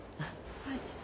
はい。